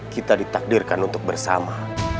kita ditakdirkan untuk bersama